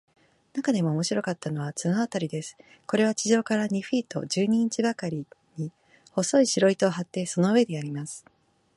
なかでも面白かったのは、綱渡りです。これは地面から二フィート十二インチばかりに、細い白糸を張って、その上でやります。